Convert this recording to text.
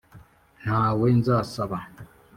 nta we nzasaba,